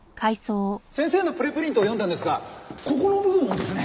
先生のプレプリントを読んだんですがここの部分をですね